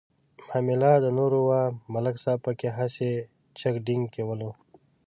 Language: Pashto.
معامله د نور وه ملک صاحب پکې هسې چک ډینک کولو.